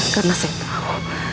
karena saya tahu